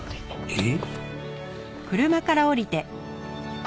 えっ？